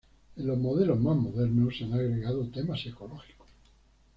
En los modelos más modernos se han agregado temas ecológicos.